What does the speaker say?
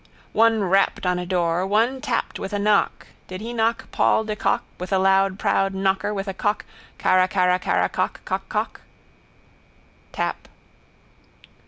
One rapped on a door, one tapped with a knock, did he knock Paul de Kock with a loud proud knocker with a cock carracarracarra cock. Cockcock. Tap.